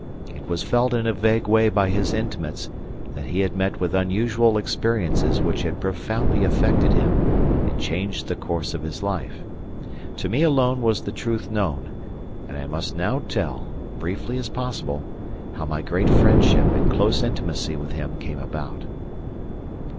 It was felt in a vague way by his intimates that he had met with unusual experiences which had profoundly affected him and changed the course of his life. To me alone was the truth known, and I must now tell, briefly as possible, how my great friendship and close intimacy with him came about.